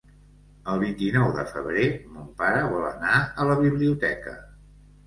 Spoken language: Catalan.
El vint-i-nou de febrer mon pare vol anar a la biblioteca.